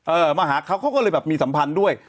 มาหาเขาเขาก็เลยแบบมีสัมพันธ์ด้วย